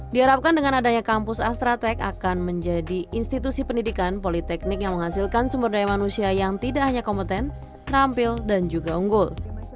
diharapkan dengan adanya kampus astra tech akan menjadi institusi pendidikan politeknik yang menghasilkan sumber daya manusia yang tidak hanya kompeten terampil dan juga unggul